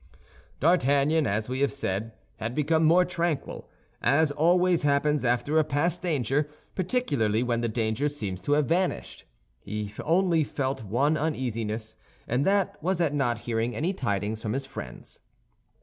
D'Artagnan, as we have said, had become more tranquil, as always happens after a past danger, particularly when the danger seems to have vanished. He only felt one uneasiness, and that was at not hearing any tidings from his friends.